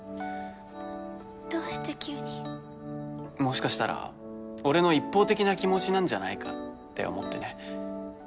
どうして急にもしかしたら俺の一方的な気持ちなんじゃないかって思ってね